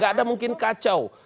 gak ada mungkin kacau